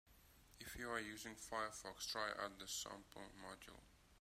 If you are using Firefox, try out this sample module.